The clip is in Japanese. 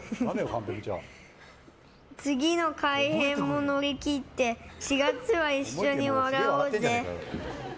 次の改編も乗り切って４月は一緒に笑おうぜ。